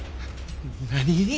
何！？